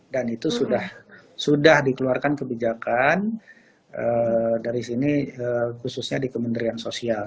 dan itu sudah dikeluarkan kebijakan dari sini khususnya di kementerian sosial